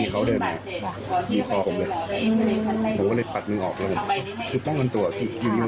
ผมไม่เห็นว่าเขาถือนี่อยู่